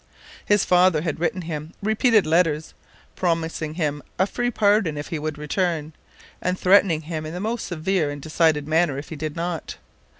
His father had written him repeated letters, promising him a free pardon if he would return, and threatening him in the most severe and decided manner if he did not.